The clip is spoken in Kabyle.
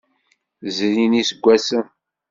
Zrin iseggasen.